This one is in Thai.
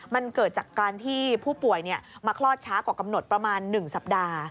มันเกิดจากการที่ผู้ป่วยมาคลอดช้ากว่ากำหนดประมาณ๑สัปดาห์